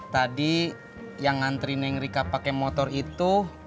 tadi yang ngantri neng rika pake motor itu